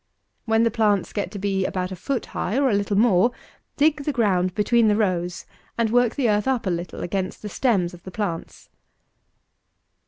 When the plants get to be about a foot high or a little more, dig the ground between the rows, and work the earth up a little against the stems of the plants.